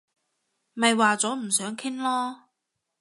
咪話咗唔想傾囉